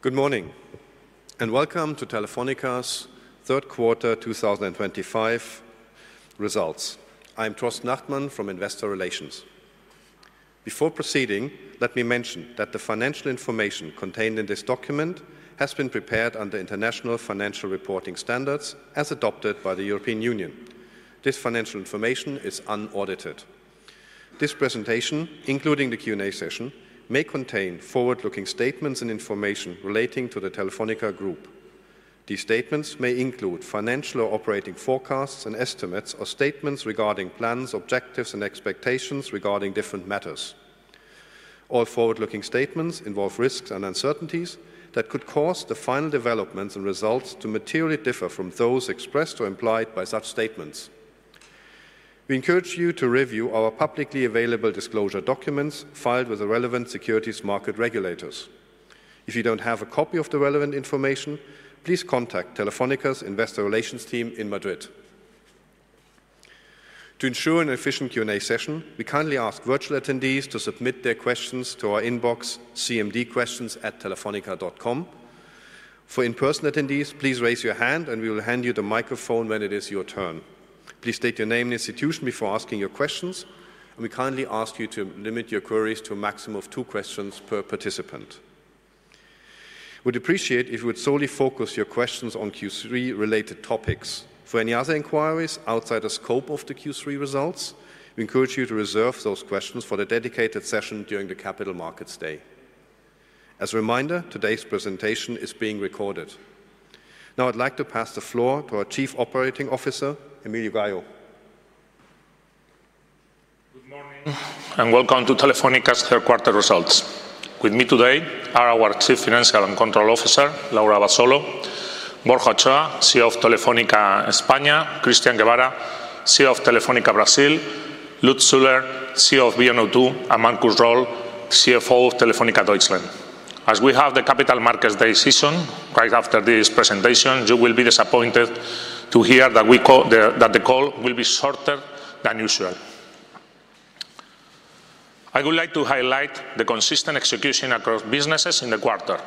Good morning, and welcome to Telefónica's third quarter 2025 results. I'm Torsten Achtmann from Investor Relations. Before proceeding, let me mention that the financial information contained in this document has been prepared under International Financial Reporting Standards as adopted by the European Union. This financial information is unaudited. This presentation, including the Q&A session, may contain forward-looking statements and information relating to the Telefónica Group. These statements may include financial or operating forecasts and estimates, or statements regarding plans, objectives, and expectations regarding different matters. All forward-looking statements involve risks and uncertainties that could cause the final developments and results to materially differ from those expressed or implied by such statements. We encourage you to review our publicly available disclosure documents filed with the relevant securities market regulators. If you don't have a copy of the relevant information, please contact Telefónica's Investor Relations team in Madrid. To ensure an efficient Q&A session, we kindly ask virtual attendees to submit their questions to our inbox, cmdquestions@telefonica.com. For in-person attendees, please raise your hand, and we will hand you the microphone when it is your turn. Please state your name and institution before asking your questions, and we kindly ask you to limit your queries to a maximum of two questions per participant. We'd appreciate it if you would solely focus your questions on Q3-related topics. For any other inquiries outside the scope of the Q3 results, we encourage you to reserve those questions for the dedicated session during the Capital Markets Day. As a reminder, today's presentation is being recorded. Now, I'd like to pass the floor to our Chief Operating Officer, Emilio Gayo. Good morning, and welcome to Telefónica's third quarter results. With me today are our Chief Financial and Control Officer, Laura Abasolo; Borja de Nicolás, CEO of Telefónica España; Christian Gebara, CEO of Telefónica Brasil; Lutz Schüler, CEO of Virgin Media O2; and Markus Rolle, CFO of Telefónica Deutschland. As we have the Capital Markets Day session, right after this presentation, you will be disappointed to hear that the call will be shorter than usual. I would like to highlight the consistent execution across businesses in the quarter.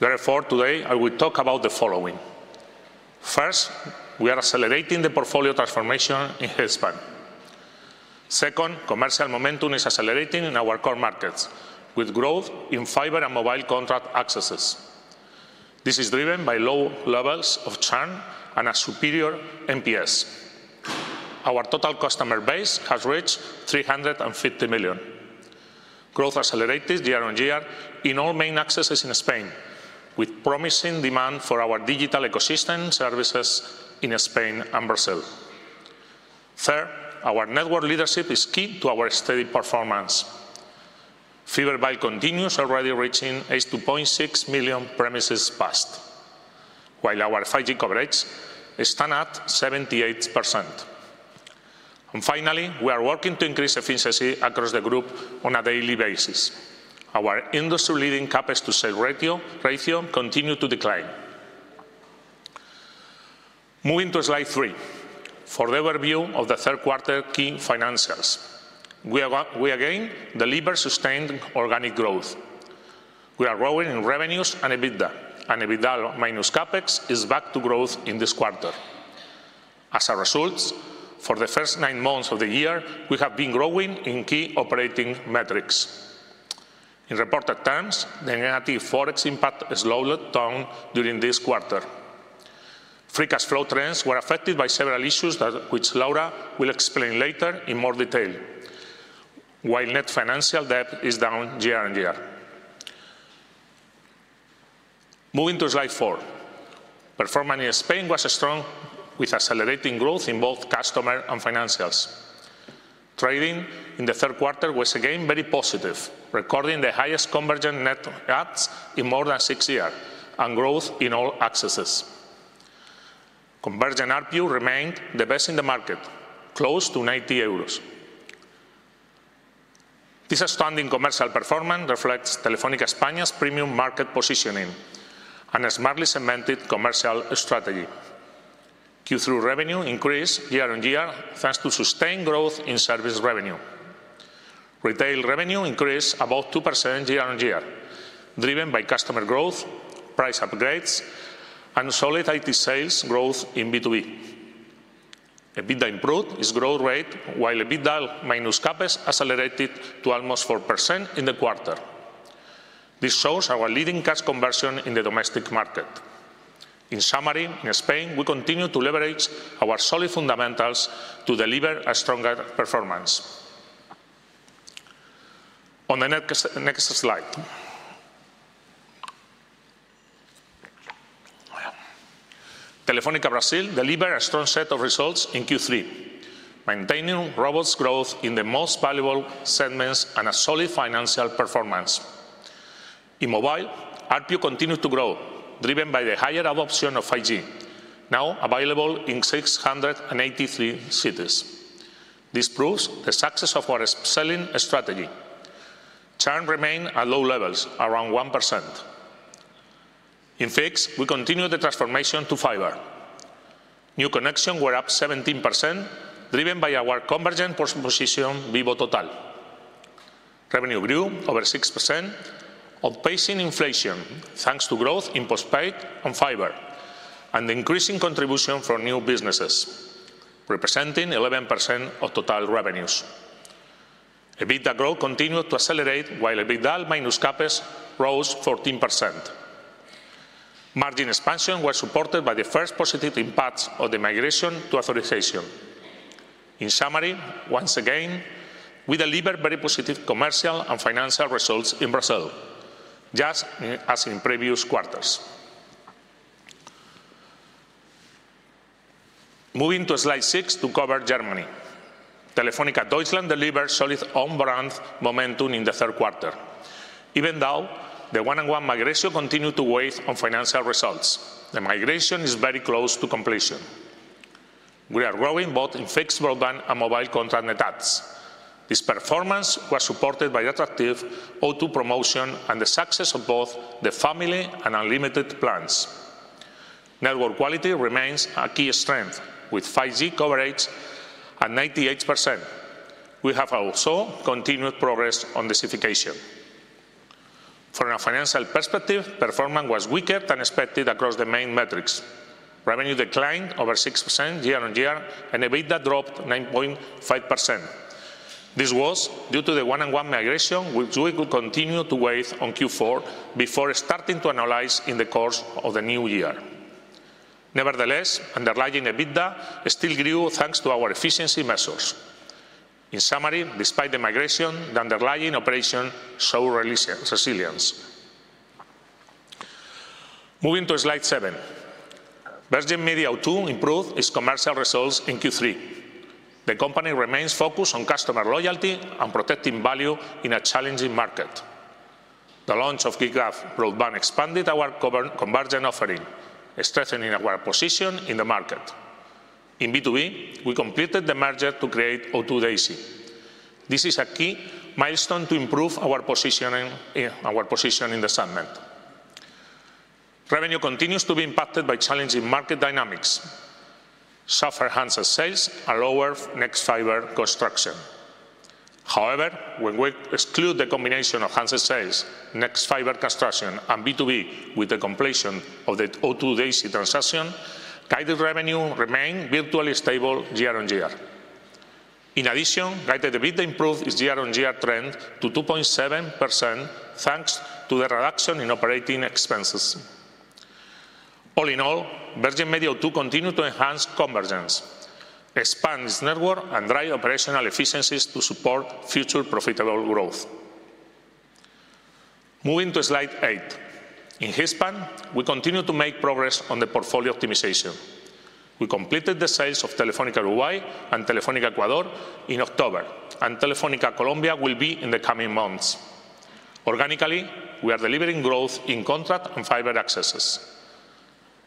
Therefore, today, I will talk about the following. First, we are accelerating the portfolio transformation in Hispam. Second, commercial momentum is accelerating in our core markets, with growth in fiber and mobile contract accesses. This is driven by low levels of churn and a superior NPS. Our total customer base has reached 350 million. Growth accelerated year on year in all main accesses in Spain, with promising demand for our digital ecosystem services in Spain and Brazil. Third, our network leadership is key to our steady performance. Fiber rollout continues, already reaching 82.6 million premises passed, while our 5G coverage stands at 78%. And finally, we are working to increase efficiency across the group on a daily basis. Our industry-leading CapEx-to-sales ratio continues to decline. Moving to slide three, for the overview of the third quarter key financials, we again deliver sustained organic growth. We are growing in revenues, and EBITDA minus CapEx is back to growth in this quarter. As a result, for the first nine months of the year, we have been growing in key operating metrics. In reported terms, the negative forex impact has slowly turned during this quarter. Free cash flow trends were affected by several issues that Laura will explain later in more detail, while net financial debt is down year on year. Moving to slide four, performance in Spain was strong, with accelerating growth in both customer and financials. Trading in the third quarter was again very positive, recording the highest convergent net adds in more than six years and growth in all accesses. Convergent ARPU remained the best in the market, close to 90 euros. This astounding commercial performance reflects Telefónica España's premium market positioning and a smartly cemented commercial strategy. Q3 revenue increased year-on-year thanks to sustained growth in service revenue. Retail revenue increased about 2% year-on-year, driven by customer growth, price upgrades, and solid IT sales growth in B2B. EBITDA improved its growth rate, while EBITDA minus CapEx accelerated to almost 4% in the quarter. This shows our leading cash conversion in the domestic market. In summary, in Spain, we continue to leverage our solid fundamentals to deliver a stronger performance. On the next slide, Telefónica Brasil delivered a strong set of results in Q3, maintaining robust growth in the most valuable segments and a solid financial performance. In mobile, ARPU continues to grow, driven by the higher adoption of 5G, now available in 683 cities. This proves the success of our selling strategy. Churn remained at low levels, around 1%. In fixed, we continued the transformation to fiber. New connections were up 17%, driven by our convergent position, Vivo Total. Revenue grew over 6%, outpacing inflation thanks to growth in postpaid on fiber and the increasing contribution from new businesses, representing 11% of total revenues. EBITDA growth continued to accelerate, while EBITDA minus CapEx rose 14%. Margin expansion was supported by the first positive impact of the migration to authorization. In summary, once again, we delivered very positive commercial and financial results in Brazil, just as in previous quarters. Moving to slide six to cover Germany, Telefónica Deutschland delivered solid on-brand momentum in the third quarter. Even though the 1&1 migration continued to weigh on financial results, the migration is very close to completion. We are growing both in fixed broadband and mobile contract net adds. This performance was supported by attractive O2 promotion and the success of both the family and unlimited plans. Network quality remains a key strength, with 5G coverage at 98%. We have also continued progress on densification. From a financial perspective, performance was weaker than expected across the main metrics. Revenue declined over 6% year on year, and EBITDA dropped 9.5%. This was due to the 1&1 migration, which we will continue to weigh on Q4 before starting to analyze in the course of the new year. Nevertheless, underlying EBITDA still grew thanks to our efficiency measures. In summary, despite the migration, the underlying operation showed resilience. Moving to slide seven, Virgin Media O2 improved its commercial results in Q3. The company remains focused on customer loyalty and protecting value in a challenging market. The launch of Gig1 broadband expanded our convergent offering, strengthening our position in the market. In B2B, we completed the merger to create O2 Daisy. This is a key milestone to improve our position in the segment. Revenue continues to be impacted by challenging market dynamics. Softer handset sales are lower. Nexfibre construction. However, when we exclude the combination of handset sales, Nexfibre construction, and B2B with the completion of the O2 Daisy transaction, organic revenue remained virtually stable year on year. In addition, organic EBITDA improved its year-on-year trend to 2.7% thanks to the reduction in operating expenses. All in all, Virgin Media O2 continued to enhance convergence, expand its network, and drive operational efficiencies to support future profitable growth. Moving to slide eight, in Hispam, we continue to make progress on the portfolio optimization. We completed the sales of Telefónica Uruguay and Telefónica Ecuador in October, and Telefónica Colombia will be in the coming months. Organically, we are delivering growth in contract and fiber accesses.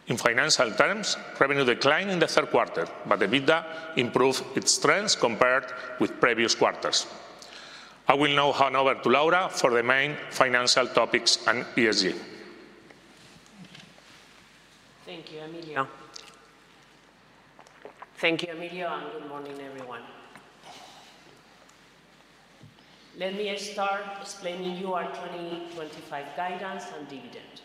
In financial terms, revenue declined in the third quarter, but EBITDA improved its strength compared with previous quarters. I will now hand over to Laura for the main financial topics and ESG. Thank you, Emilio. Thank you, Emilio, and good morning, everyone. Let me start explaining your 2025 guidance and dividend.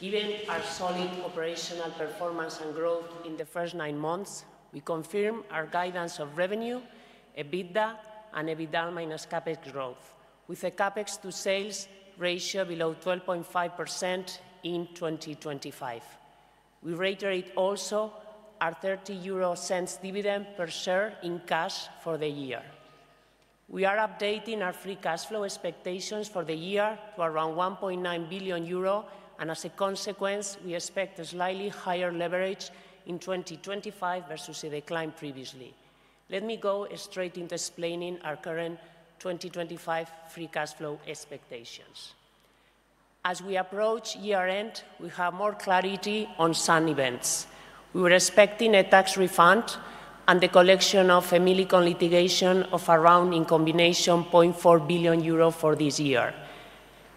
Given our solid operational performance and growth in the first nine months, we confirm our guidance of revenue, EBITDA, and EBITDA minus CapEx growth, with a CapEx-to-sales ratio below 12.5% in 2025. We reiterate also our 0.30 dividend per share in cash for the year. We are updating our free cash flow expectations for the year to around 1.9 billion euro, and as a consequence, we expect a slightly higher leverage in 2025 versus the decline previously. Let me go straight into explaining our current 2025 free cash flow expectations. As we approach year-end, we have more clarity on some events. We were expecting a tax refund and the collection of Millicom litigation of around, in combination, 0.4 billion euro for this year.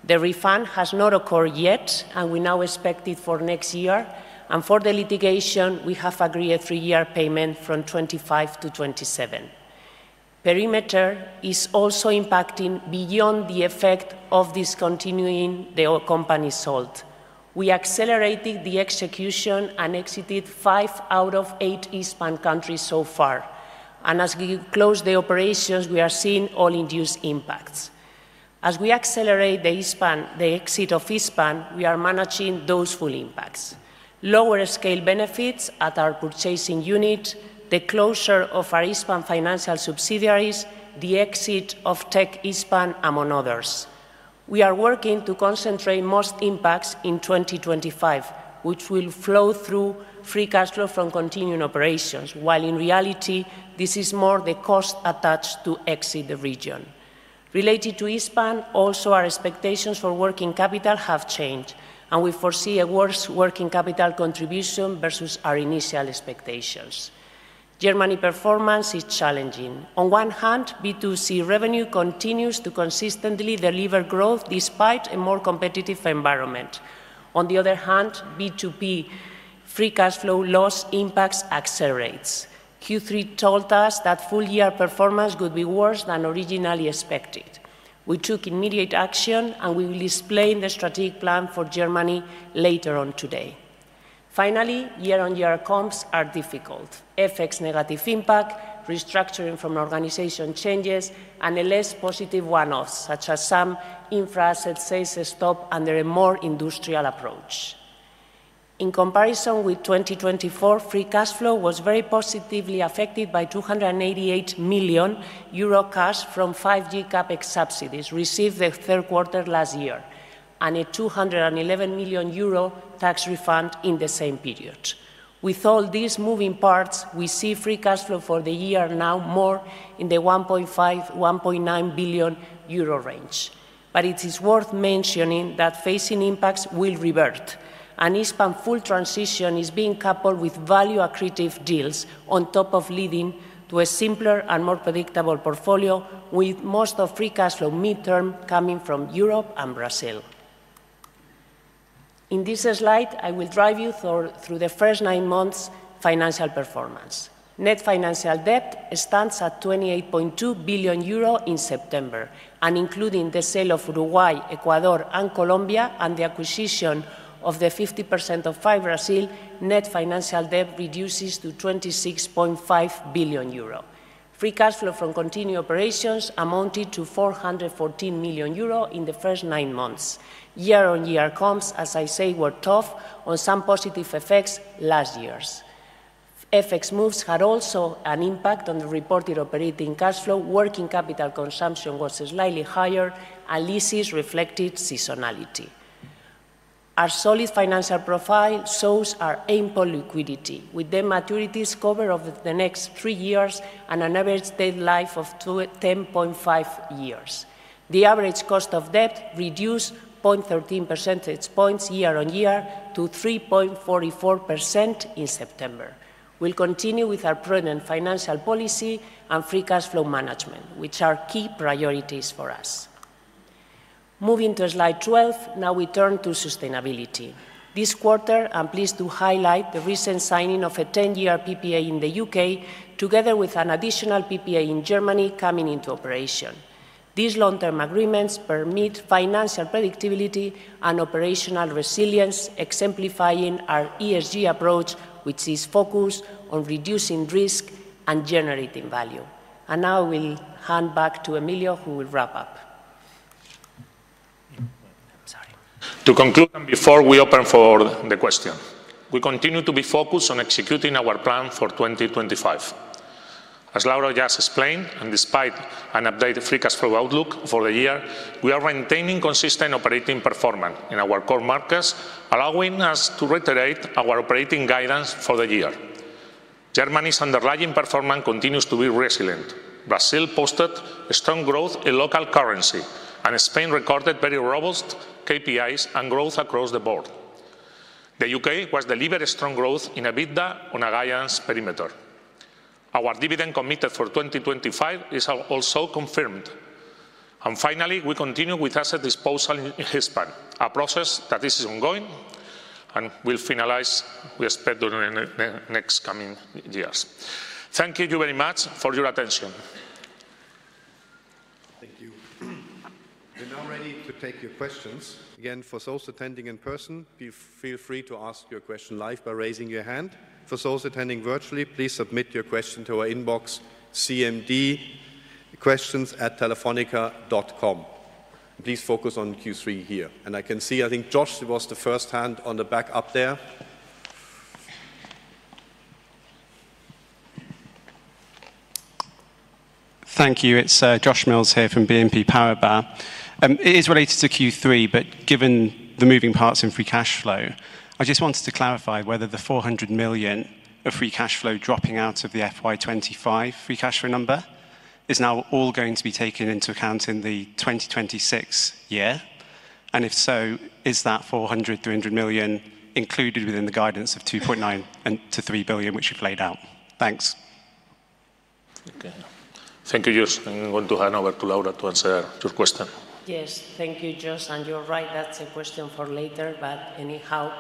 The refund has not occurred yet, and we now expect it for next year. For the litigation, we have agreed a three-year payment from 2025 to 2027. Perimeter is also impacting beyond the effect of discontinuing the company sold. We accelerated the execution and exited five out of eight Hispam countries so far. As we close the operations, we are seeing Hispam-induced impacts. As we accelerate the exit of Hispam, we are managing those full impacts: lower scale benefits at our purchasing unit, the closure of our Hispam financial subsidiaries, the exit of Telefónica Tech Hispam, among others. We are working to concentrate most impacts in 2025, which will flow through free cash flow from continuing operations, while in reality, this is more the cost attached to exit the region. Related to Hispam, also, our expectations for working capital have changed, and we foresee a worse working capital contribution versus our initial expectations. Germany's performance is challenging. On one hand, B2C revenue continues to consistently deliver growth despite a more competitive environment. On the other hand, B2B free cash flow loss impacts accelerate. Q3 told us that full-year performance could be worse than originally expected. We took immediate action, and we will explain the strategic plan for Germany later on today. Finally, year-on-year comps are difficult: FX negative impact, restructuring from organization changes, and a less positive one-off, such as some infra asset sales stopped under a more industrial approach. In comparison with 2024, free cash flow was very positively affected by 288 million euro cash from 5G CapEx subsidies received the third quarter last year and a 211 million euro tax refund in the same period. With all these moving parts, we see free cash flow for the year now more in the 1.5-1.9 billion euro range. But it is worth mentioning that facing impacts will revert. A Hispam full transition is being coupled with value-accretive deals on top of leading to a simpler and more predictable portfolio, with most of free cash flow midterm coming from Europe and Brazil. In this slide, I will drive you through the first nine months' financial performance. Net financial debt stands at 28.2 billion euro in September, and including the sale of Uruguay, Ecuador, and Colombia, and the acquisition of the 50% of FiBrasil, net financial debt reduces to 26.5 billion euro. Free cash flow from continued operations amounted to 414 million euro in the first nine months. Year-on-year comps, as I say, were tough on some positive effects last year. FX moves had also an impact on the reported operating cash flow. Working capital consumption was slightly higher, and leases reflected seasonality. Our solid financial profile shows our ample liquidity, with debt maturities covered over the next three years and an average deadline of 10.5 years. The average cost of debt reduced 0.13 percentage points year on year to 3.44% in September. We'll continue with our prudent financial policy and free cash flow management, which are key priorities for us. Moving to slide 12, now we turn to sustainability. This quarter, I'm pleased to highlight the recent signing of a 10-year PPA in the U.K., together with an additional PPA in Germany coming into operation. These long-term agreements permit financial predictability and operational resilience, exemplifying our ESG approach, which is focused on reducing risk and generating value. And now I will hand back to Emilio, who will wrap up. To conclude and before we open for the question, we continue to be focused on executing our plan for 2025. As Laura just explained, and despite an updated free cash flow outlook for the year, we are maintaining consistent operating performance in our core markets, allowing us to reiterate our operating guidance for the year. Germany's underlying performance continues to be resilient. Brazil posted strong growth in local currency, and Spain recorded very robust KPIs and growth across the board. The U.K. was delivered strong growth in EBITDA on a guidance perimeter. Our dividend commitment for 2025 is also confirmed. And finally, we continue with asset disposal in Hispam, a process that is ongoing and will finalize, we expect, during the next coming years. Thank you very much for your attention. Thank you. We're now ready to take your questions. Again, for those attending in person, feel free to ask your question live by raising your hand. For those attending virtually, please submit your question to our inbox, cmdquestions@telefonica.com. Please focus on Q3 here, and I can see, I think Josh was the first hand on the back up there. Thank you. It's Josh Mills here from BNP Paribas. It is related to Q3, but given the moving parts in free cash flow, I just wanted to clarify whether the 400 million of free cash flow dropping out of the FY2025 free cash flow number is now all going to be taken into account in the 2026 year, and if so, is that 400, 300 million included within the guidance of 2.9-3 billion, which we've laid out? Thanks. Thank you, Josh. I'm going to hand over to Laura to answer your question. Yes, thank you, Josh, and you're right, that's a question for later, but anyhow,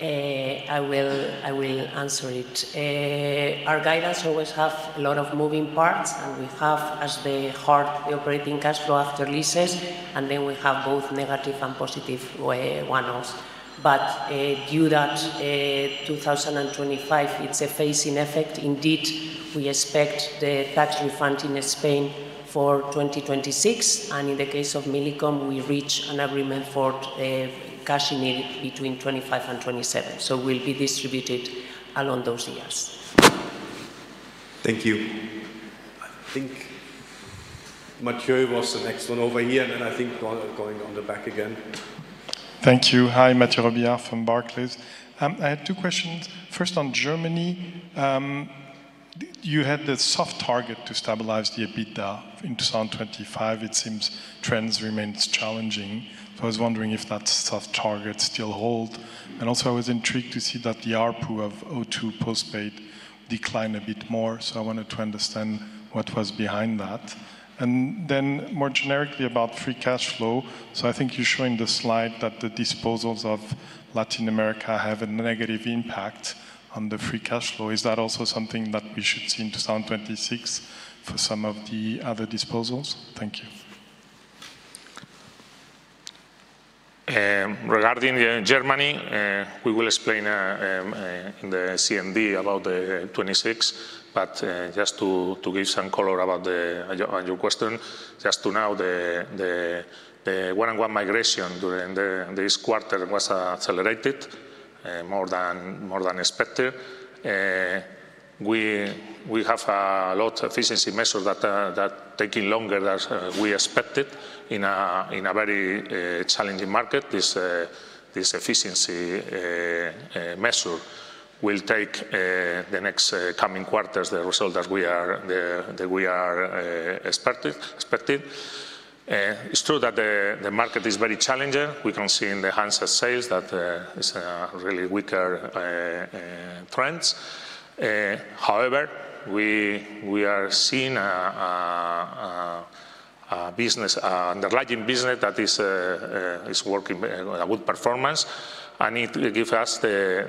I will answer it. Our guidance always has a lot of moving parts, and we have as the heart, the operating cash flow after leases, and then we have both negative and positive one-offs. But due to that 2025, it's a phasing effect. Indeed, we expect the tax refund in Spain for 2026, and in the case of Millicom, we reach an agreement for cash in between 2025 and 2027. So it will be distributed along those years. Thank you. I think Mathieu was the next one over here, and then I think going on the back again. Thank you. Hi, Mathieu Robilliard from Barclays. I had two questions. First, on Germany, you had the soft target to stabilize the EBITDA in 2025. It seems trends remain challenging. So I was wondering if that soft target still holds, and also I was intrigued to see that the ARPU of O2 postpaid declined a bit more. So I wanted to understand what was behind that, and then more generically about free cash flow, so I think you're showing the slide that the disposals of Latin America have a negative impact on the free cash flow. Is that also something that we should see in 2026 for some of the other disposals? Thank you. Regarding Germany, we will explain in the CMD about the 2026. But just to give some color about your question, just to now, the 1&1 migration during this quarter was accelerated more than expected. We have a lot of efficiency measures that are taking longer than we expected in a very challenging market. This efficiency measure will take the next coming quarters the result that we are expecting. It's true that the market is very challenging. We can see in the handset sales that it's a really weaker trend. However, we are seeing a business, an underlying business that is working with good performance, and it gives us the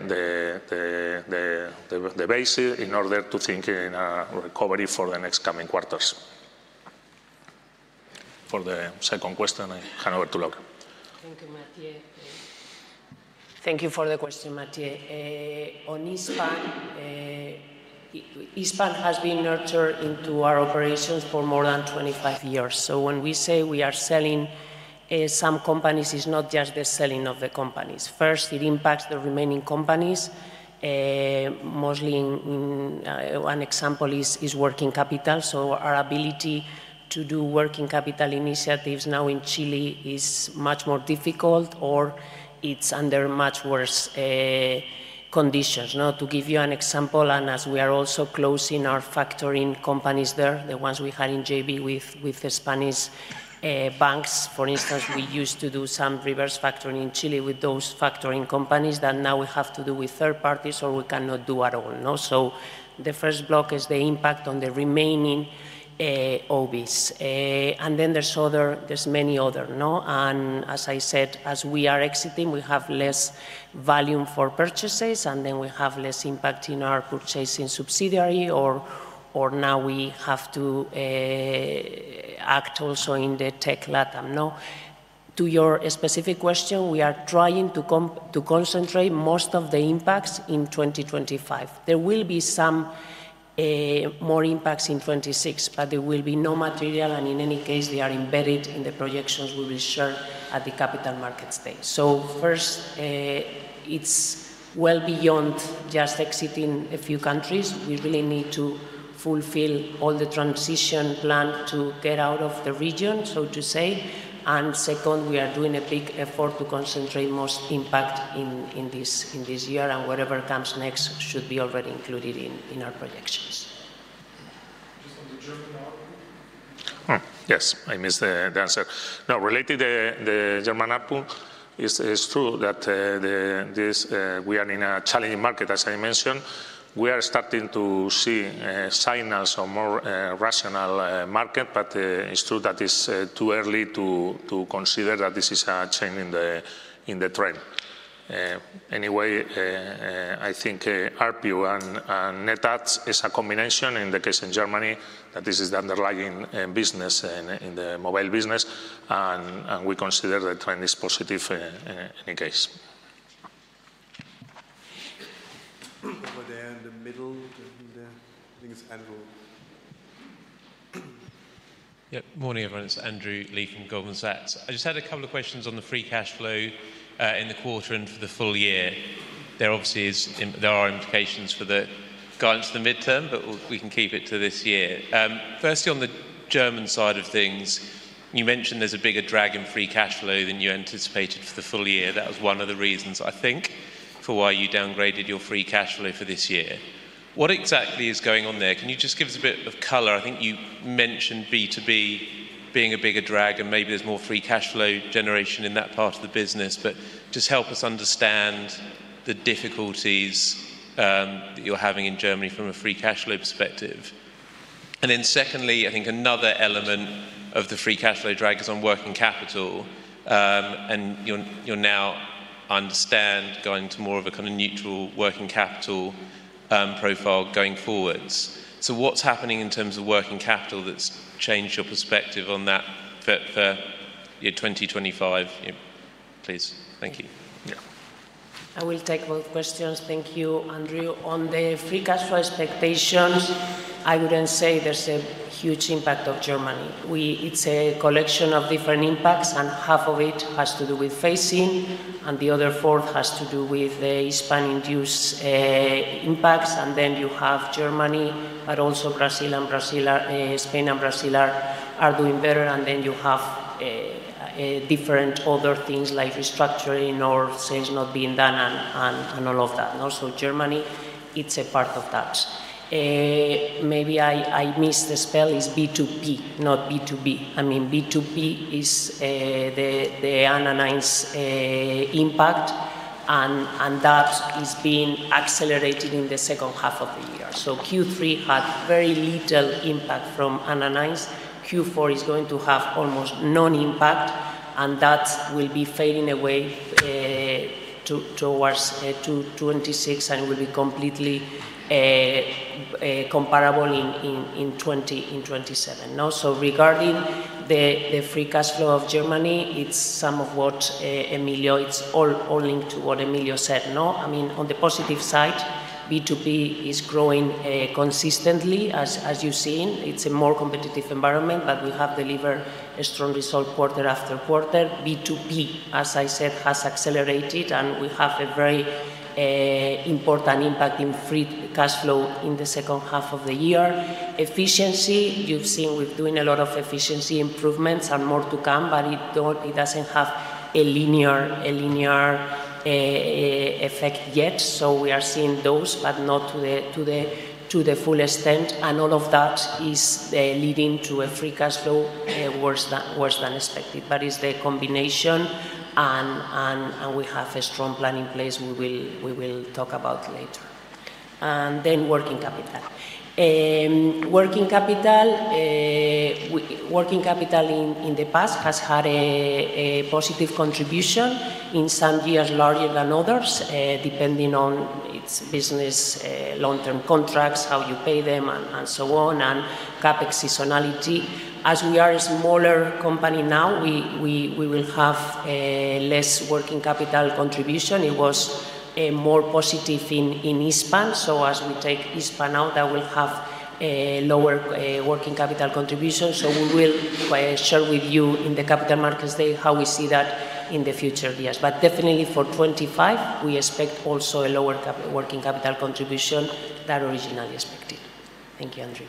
basis in order to think in recovery for the next coming quarters. For the second question, I hand over to Laura. Thank you, Mathieu. Thank you for the question, Mathieu. On Hispam, Hispam has been nurtured into our operations for more than 25 years. So when we say we are selling some companies, it's not just the selling of the companies. First, it impacts the remaining companies, mostly in one example is working capital. So our ability to do working capital initiatives now in Chile is much more difficult, or it's under much worse conditions. To give you an example, and as we are also closing our factoring companies there, the ones we had in JV with the Spanish banks, for instance, we used to do some reverse factoring in Chile with those factoring companies that now we have to do with third parties or we cannot do at all. So the first block is the impact on the remaining OPs. And then there's many others. And as I said, as we are exiting, we have less volume for purchases, and then we have less impact in our purchasing subsidiary, or now we have to act also in the Tech LatAm. To your specific question, we are trying to concentrate most of the impacts in 2025. There will be some more impacts in 2026, but there will be no material, and in any case, they are embedded in the projections we will share at the Capital Markets Day. So first, it's well beyond just exiting a few countries. We really need to fulfill all the transition plan to get out of the region, so to say. And second, we are doing a big effort to concentrate most impact in this year, and whatever comes next should be already included in our projections. Yes, I missed the answer. Now, related to the German ARPU, it's true that we are in a challenging market, as I mentioned. We are starting to see signals of a more rational market, but it's true that it's too early to consider that this is a change in the trend. Anyway, I think ARPU and net adds is a combination in the case of Germany that this is the underlying business in the mobile business, and we consider the trend is positive in any case. I think it's Andrew. Good morning, everyone. It's Andrew Lee from Goldman Sachs. I just had a couple of questions on the free cash flow in the quarter and for the full year. There obviously are implications for the guidance in the midterm, but we can keep it to this year. Firstly, on the German side of things, you mentioned there's a bigger drag in free cash flow than you anticipated for the full year. That was one of the reasons, I think, for why you downgraded your free cash flow for this year. What exactly is going on there? Can you just give us a bit of color? I think you mentioned B2B being a bigger drag, and maybe there's more free cash flow generation in that part of the business, but just help us understand the difficulties that you're having in Germany from a free cash flow perspective. And then, secondly, I think another element of the free cash flow drag is on working capital, and you'll now understand going to more of a kind of neutral working capital profile going forward. So what's happening in terms of working capital that's changed your perspective on that for 2025? Please, thank you. I will take both questions. Thank you, Andrew. On the free cash flow expectations, I wouldn't say there's a huge impact of Germany. It's a collection of different impacts, and half of it has to do with phasing, and the other fourth has to do with the Hispam-induced impacts. And then you have Germany, but also Brazil and Spain, and Brazil are doing better, and then you have different other things like restructuring or sales not being done and all of that. So Germany, it's a part of that. Maybe I missed the spell. It's B2P, not B2B. I mean, B2P is the amortized impact, and that is being accelerated in the second half of the year. So Q3 had very little impact from amortized. Q4 is going to have almost no impact, and that will be fading away towards 2026, and it will be completely comparable in 2027. So, regarding the free cash flow of Germany, it's some of what Emilio said. It's all linked to what Emilio said. I mean, on the positive side, B2B is growing consistently, as you've seen. It's a more competitive environment, but we have delivered a strong result quarter after quarter. B2P, as I said, has accelerated, and we have a very important impact in free cash flow in the second half of the year. Efficiency, you've seen we're doing a lot of efficiency improvements and more to come, but it doesn't have a linear effect yet. So we are seeing those, but not to the full extent. And all of that is leading to a free cash flow worse than expected, but it's the combination, and we have a strong plan in place we will talk about later. And then working capital. Working capital, working capital in the past has had a positive contribution in some years larger than others, depending on its business, long-term contracts, how you pay them, and so on, and CapEx seasonality. As we are a smaller company now, we will have less working capital contribution. It was more positive in Hispam. So as we take Hispam out, that will have lower working capital contribution. So we will share with you in the capital markets day how we see that in the future, yes. But definitely for 2025, we expect also a lower working capital contribution than originally expected. Thank you, Andrew.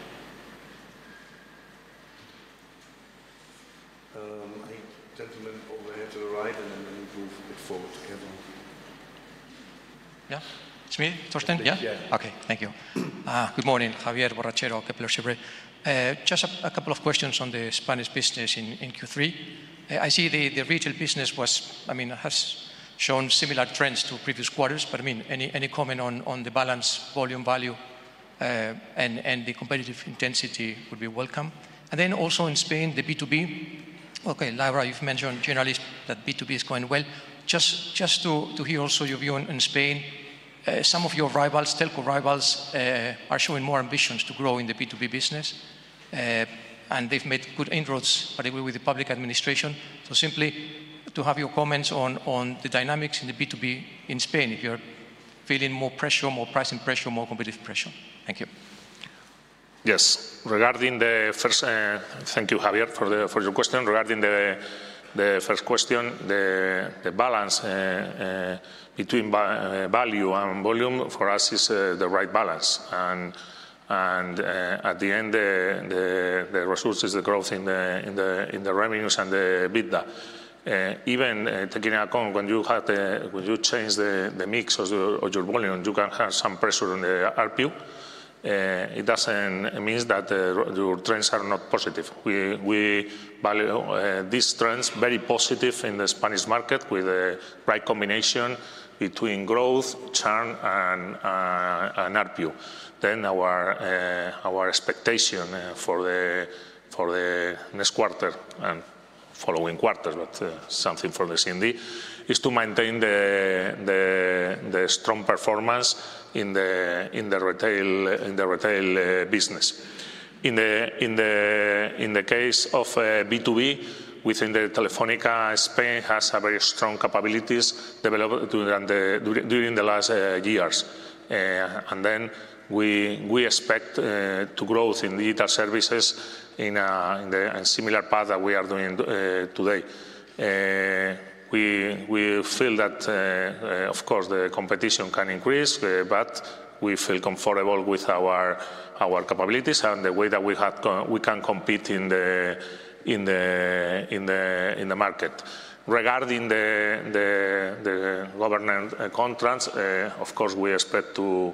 Any gentlemen over here to the right, and then we'll move a bit forward together. Yeah, it's me, Torsten, yeah? Yeah. Okay, thank you. Good morning, Javier Borrachero, Kepler Cheuvreux. Just a couple of questions on the Spanish business in Q3. I see the retail business was, I mean, has shown similar trends to previous quarters, but I mean, any comment on the balance, volume, value, and the competitive intensity would be welcome. And then also in Spain, the B2B, okay, Laura, you've mentioned generally that B2B is going well. Just to hear also your view in Spain, some of your rivals, telco rivals, are showing more ambitions to grow in the B2B business, and they've made good inroads, particularly with the public administration. So simply to have your comments on the dynamics in the B2B in Spain, if you're feeling more pressure, more pricing pressure, more competitive pressure. Thank you. Yes, regarding the first, thank you, Javier, for your question. Regarding the first question, the balance between value and volume for us is the right balance. And at the end, the resources, the growth in the revenues and the EBITDA. Even taking account when you change the mix of your volume, you can have some pressure on the ARPU. It doesn't mean that your trends are not positive. We value these trends very positive in the Spanish market with the right combination between growth, churn, and ARPU. Then our expectation for the next quarter and following quarter, but something for the CMD, is to maintain the strong performance in the retail business. In the case of B2B, we think that Telefónica Spain has very strong capabilities developed during the last years. And then we expect to grow in digital services in a similar path that we are doing today. We feel that, of course, the competition can increase, but we feel comfortable with our capabilities and the way that we can compete in the market. Regarding the government contracts, of course, we expect to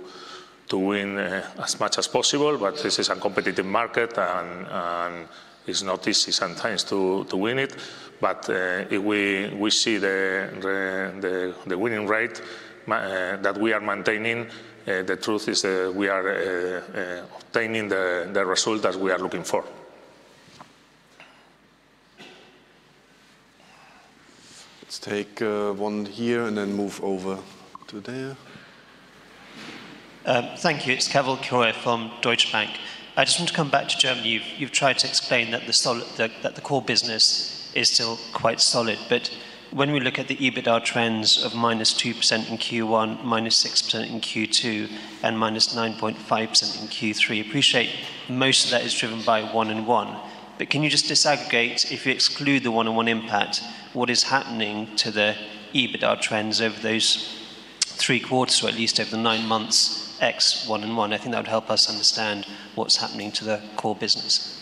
win as much as possible, but this is a competitive market, and it's not easy sometimes to win it. But if we see the winning rate that we are maintaining, the truth is that we are obtaining the result that we are looking for. Let's take one here and then move over to there. Thank you. It's Keval Khiroya from Deutsche Bank. I just want to come back to Germany. You've tried to explain that the core business is still quite solid, but when we look at the EBITDA trends of -2% in Q1, -6% in Q2, and -9.5% in Q3, I appreciate most of that is driven by 1&1. But can you just disaggregate, if you exclude the 1&1 impact, what is happening to the EBITDA trends over those three quarters, or at least over the nine months ex 1&1? I think that would help us understand what's happening to the core business.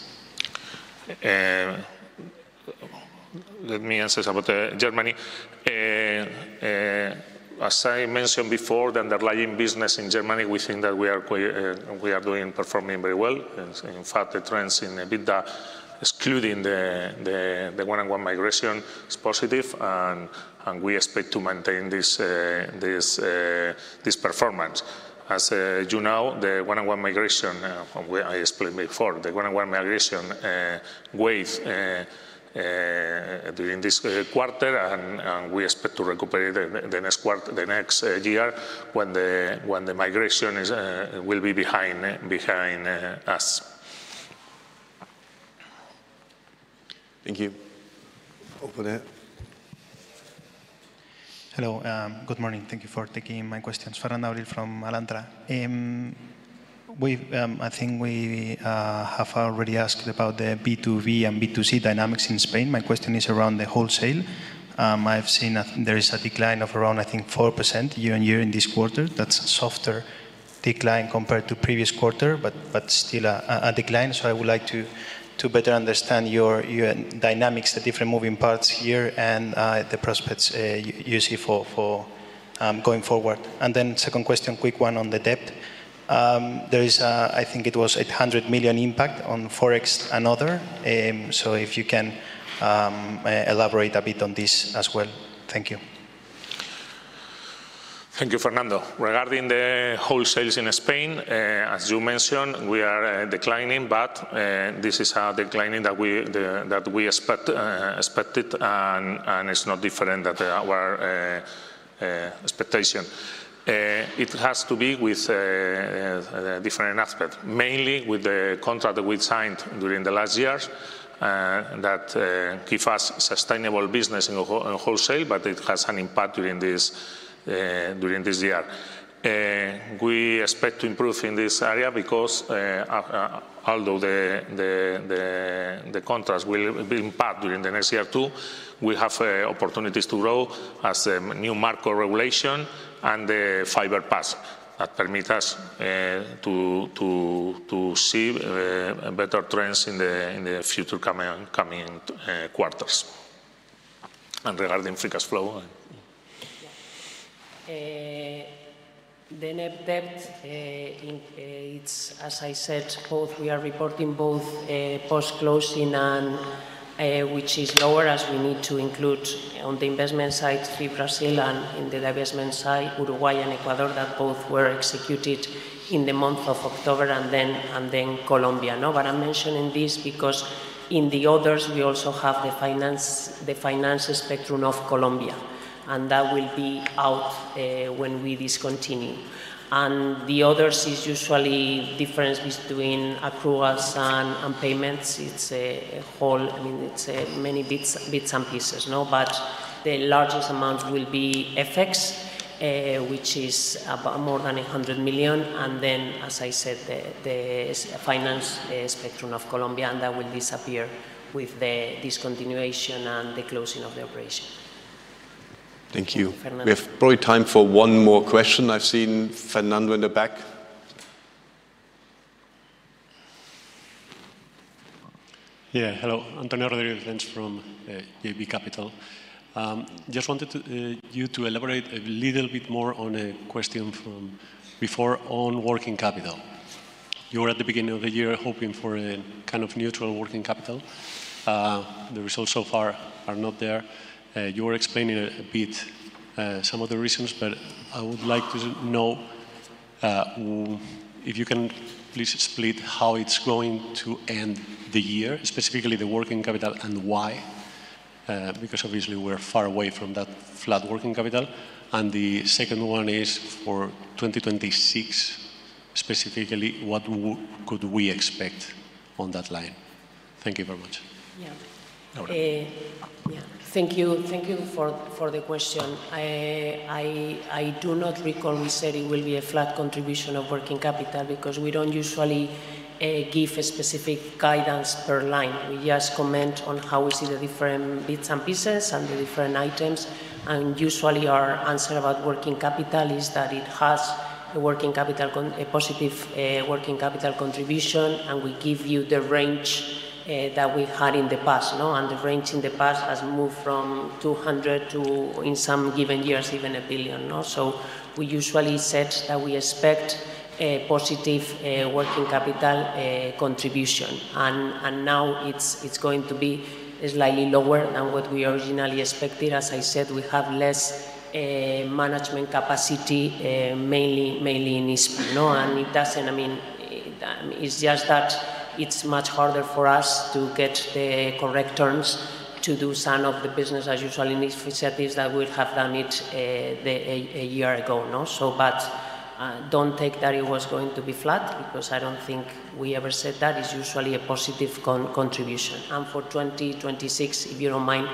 Let me answer some of the Germany. As I mentioned before, the underlying business in Germany, we think that we are performing very well. In fact, the trends in EBITDA, excluding the 1&1 migration, is positive, and we expect to maintain this performance. As you know, the 1&1 migration, I explained before, the 1&1 migration wave during this quarter, and we expect to recover it the next year when the migration will be behind us. Thank you. Over there. Hello, good morning. Thank you for taking my questions. Fernando Abril-Martorell from Alantra. I think we have already asked about the B2B and B2C dynamics in Spain. My question is around the wholesale. I've seen there is a decline of around, I think, 4% year on year in this quarter. That's a softer decline compared to previous quarter, but still a decline. So I would like to better understand your dynamics, the different moving parts here, and the prospects you see for going forward. And then second question, quick one on the debt. There is, I think it was 800 million impact on Forex and other. So if you can elaborate a bit on this as well. Thank you. Thank you, Fernando. Regarding the wholesale in Spain, as you mentioned, we are declining, but this is a decline that we expected, and it's not different than our expectation. It has to be with different aspects, mainly with the contract that we signed during the last years that give us sustainable business in wholesale, but it has an impact during this year. We expect to improve in this area because although the contracts will impact during the next year too, we have opportunities to grow as a new MARCo regulation and the fiber pass that permits us to see better trends in the future coming quarters. And regarding free cash flow. The net debt, as I said, we are reporting both post-closing, which is lower, as we need to include on the investment side through Brazil and in the divestment side, Uruguay and Ecuador that both were executed in the month of October and then Colombia. But I'm mentioning this because in the others, we also have the financed spectrum of Colombia, and that will be out when we discontinue. And the others is usually difference between accruals and payments. It's a whole, I mean, it's many bits and pieces, but the largest amount will be FX, which is more than 800 million, and then, as I said, the finance spectrum of Colombia, and that will disappear with the discontinuation and the closing of the operation. Thank you. We have probably time for one more question. I've seen Fernando in the back. Yeah, hello. Antonio Rodríguez from JB Capital. Just wanted you to elaborate a little bit more on a question from before on working capital. You were at the beginning of the year hoping for a kind of neutral working capital. The results so far are not there. You were explaining a bit some of the reasons, but I would like to know if you can please split how it's going to end the year, specifically the working capital and why, because obviously we're far away from that flat working capital. And the second one is for 2026, specifically what could we expect on that line? Thank you very much. Yeah, thank you for the question. I do not recall we said it will be a flat contribution of working capital because we don't usually give a specific guidance per line. We just comment on how we see the different bits and pieces and the different items, and usually our answer about working capital is that it has a positive working capital contribution, and we give you the range that we had in the past, and the range in the past has moved from 200 million to, in some given years, even 1 billion, so we usually said that we expect a positive working capital contribution, and now it's going to be slightly lower than what we originally expected. As I said, we have less management capacity, mainly in Hispam. And it doesn't, I mean, it's just that it's much harder for us to get the correct terms to do some of the business as usual in Hispam countries that we have done it a year ago. But don't take that it was going to be flat because I don't think we ever said that. It's usually a positive contribution. And for 2026, if you don't mind,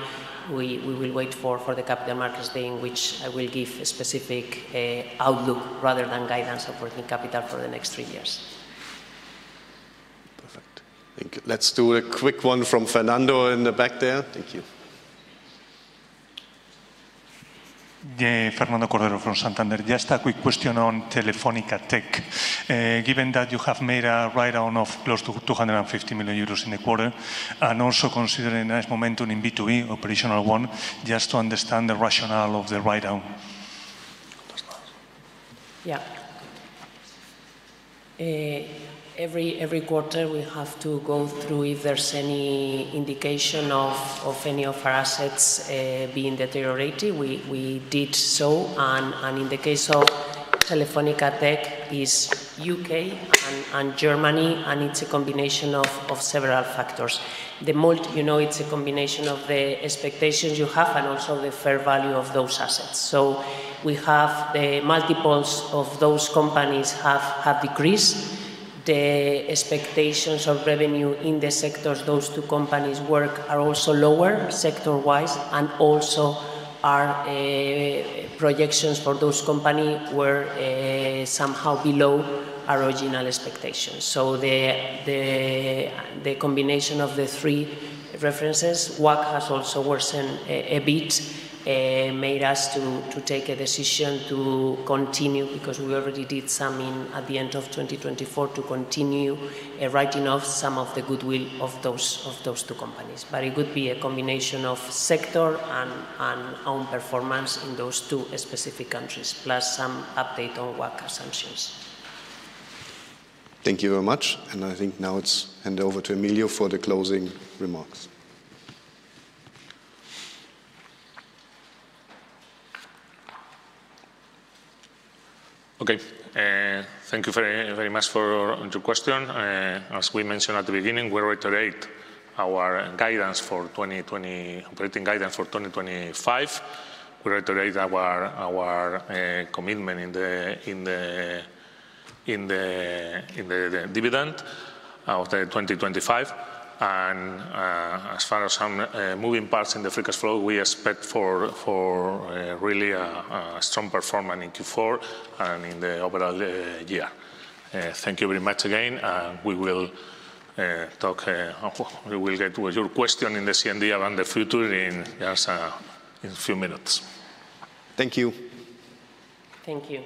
we will wait for the capital markets day in which I will give a specific outlook rather than guidance on working capital for the next three years. Perfect. Thank you. Let's do a quick one from Fernando in the back there. Thank you. Yeah, Fernando Cordero from Santander. Just a quick question on Telefónica Tech. Given that you have made a write-down of close to 250 million euros in the quarter, and also considering a nice momentum in B2B, operational one, just to understand the rationale of the write-down. Yeah. Every quarter we have to go through if there's any indication of any of our assets being deteriorated. We did so, and in the case of Telefónica Tech, it's U.K. and Germany, and it's a combination of several factors. You know, it's a combination of the expectations you have and also the fair value of those assets. So, the multiples of those companies have decreased. The expectations of revenue in the sectors those two companies work are also lower sector-wise, and also our projections for those companies were somehow below our original expectations. So the combination of the three references, what has also worsened a bit, made us to take a decision to continue because we already did some at the end of 2024 to continue writing off some of the goodwill of those two companies. But it could be a combination of sector and own performance in those two specific countries, plus some update on what assumptions. Thank you very much. And I think now it's handed over to Emilio for the closing remarks. Okay. Thank you very much for your question. As we mentioned at the beginning, we reiterate our operating guidance for 2025. We reiterate our commitment to the dividend for 2025. And as far as moving parts in the free cash flow, we expect really a strong performance in Q4 and in the overall year. Thank you very much again. We will get to your question in the CMD on the future in a few minutes. Thank you. Thank you.